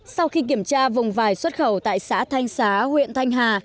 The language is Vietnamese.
sau khi kiểm tra vùng vải xuất khẩu tại xã thanh xá huyện thanh hà